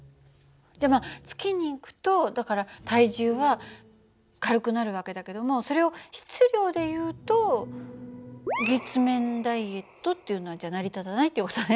じゃまあ月に行くとだから体重は軽くなる訳だけどもそれを質量でいうと月面ダイエットっていうのはじゃ成り立たないっていう事ね。